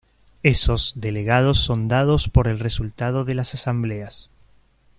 Esos delegados son dados por el resultado de las asambleas.